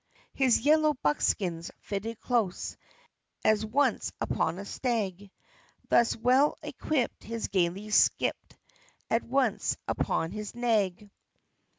His yellow buckskins fitted close, As once upon a stag; Thus well equipt he gaily skipt, At once, upon his nag.